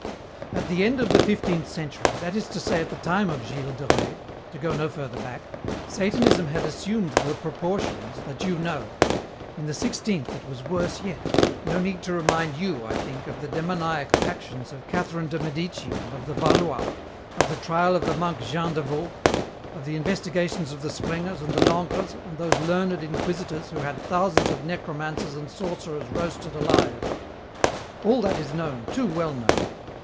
"At the end of the fifteenth century, that is to say at the time of Gilles de Rais to go no further back Satanism had assumed the proportions that you know. In the sixteenth it was worse yet. No need to remind you, I think, of the demoniac pactions of Catherine de Medici and of the Valois, of the trial of the monk Jean de Vaulx, of the investigations of the Sprengers and the Lancres and those learned inquisitors who had thousands of necromancers and sorcerers roasted alive. All that is known, too well known.